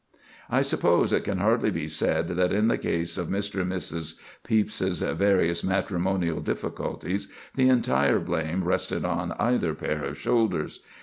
I suppose it can hardly be said that in the case of Mr. and Mrs. Pepys's various matrimonial difficulties, the entire blame rested on either pair of shoulders.